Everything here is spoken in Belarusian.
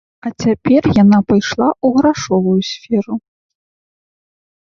А цяпер яна пайшла ў грашовую сферу.